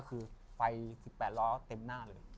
ตื่น